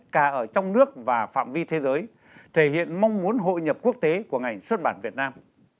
cả ở trong nước và phạm vi thế giới thể hiện mong muốn hội nhập quốc tế của ngành xuất bản việt nam